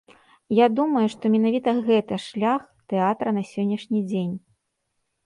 Я думаю, што менавіта гэта шлях тэатра на сённяшні дзень.